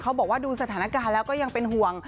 บอกว่าดูสถานการณ์แล้วก็ยังเป็นห่วง